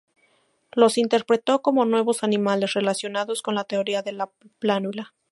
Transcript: Los interpretó como nuevos animales relacionados con la teoría de la plánula.